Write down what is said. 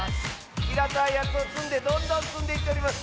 ひらたいやつをつんでどんどんつんでいっております。